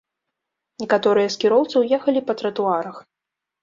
Некаторыя з кіроўцаў ехалі па тратуарах.